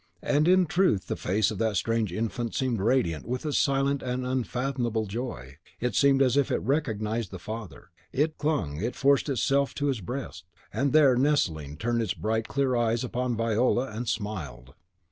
And in truth the face of that strange infant seemed radiant with its silent and unfathomable joy. It seemed as if it recognised the father; it clung it forced itself to his breast, and there, nestling, turned its bright, clear eyes upon Viola, and smiled.